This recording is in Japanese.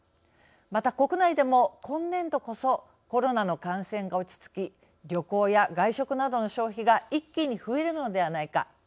また、国内でも、今年度こそコロナの感染が落ち着き旅行や外食などの消費が一気に増えるのではないか。